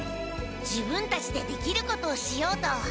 自分たちでできることをしようと。